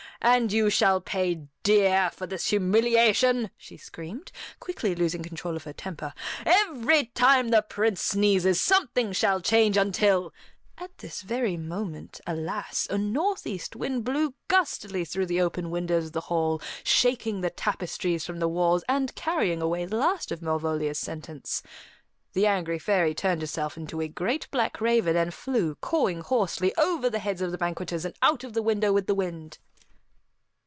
And you shall pay dear for this humiliation," she screamed, quickly losing control of her temper. "Every time the Prince sneezes something shall change until " At this very moment, alas, a northeast wind blew gustily through the open windows of the hall, shaking the tapestries from the walls, and carrying away the last of Malvolia's sentence. The angry fairy turned herself into a great black raven and flew, cawing hoarsely, over the heads of the banqueters and out of the window with the wind.